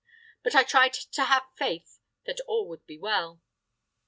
But I tried to have faith that all would be well.